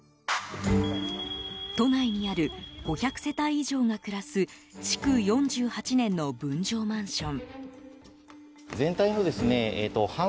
都内にある５００世帯以上が暮らす築４８年の分譲マンション。